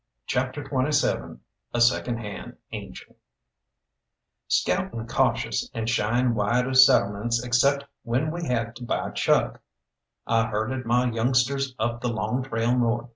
CHAPTER XXVII A SECOND HAND ANGEL Scouting cautious, and shying wide of settlements except when we had to buy chuck, I herded my youngsters up the long trail north.